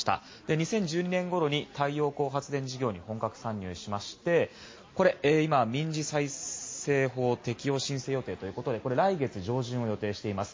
２０１２年ごろに太陽光発電事業に本格参入しましてこれ、今、民事再生法適用申請予定ということで来月上旬を予定しています。